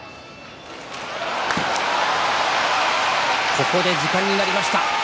ここで時間になりました。